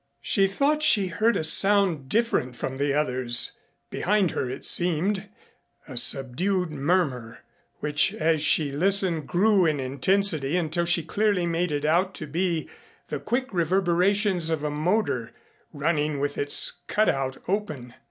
She thought she heard a sound different from the others behind her it seemed, a subdued murmur, which, as she listened, grew in intensity until she clearly made it out to be the quick reverberations of a motor, running with its cut out open.